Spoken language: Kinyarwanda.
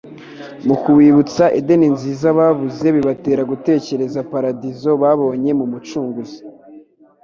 Mu kubibutsa Edeni nziza babuze, bibatera gutekereza Paradiso babonye mu Mucunguzi.